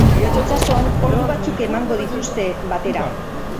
Itsasoan ordu batzuk emango dituzte batera.